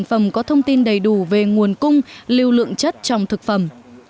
sản phẩm có thông tin đầy đủ về nguồn cung lưu lượng chất trong thực phẩm